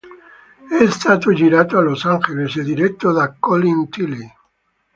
È stato girato a Los Angeles e diretto da Colin Tilley.